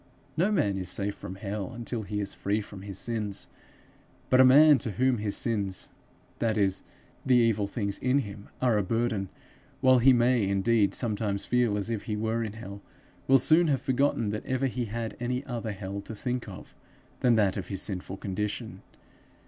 No man is safe from hell until he is free from his sins; but a man to whom his sins, that is the evil things in him, are a burden, while he may indeed sometimes feel as if he were in hell, will soon have forgotten that ever he had any other hell to think of than that of his sinful condition.